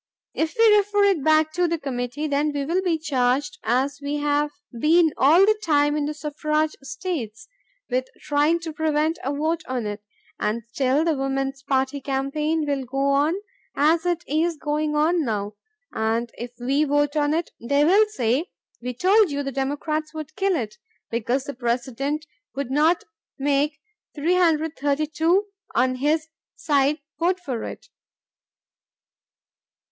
... If we refer it back to the committee, then we will be charged, as we have been all the time in the suffrage states, with trying to prevent a vote on it, and still the Woman's Party campaign will go on as it is going on now; and if we vote on it they will say: 'We told you the Democrats would kill it, because the President would not make 332 on his side vote for it'."